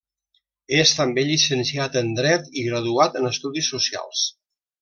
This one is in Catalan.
És, també, llicenciat en Dret i graduat en Estudis Socials.